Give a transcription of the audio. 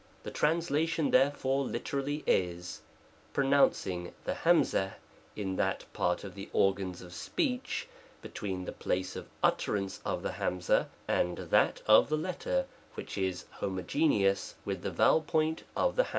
Tire translation therefore literally is " pronouncing the f in that part of the >s of speech between the place of utterance of the r andtfcat of the letter which is homogeneous with the rowel point of the / c